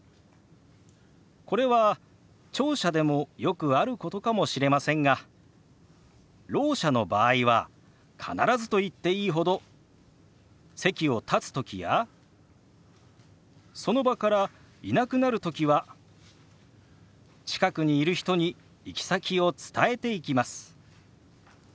これは聴者でもよくあることかもしれませんがろう者の場合は必ずと言っていいほど席を立つときやその場からいなくなるときは近くにいる人に行き先を伝えていきます。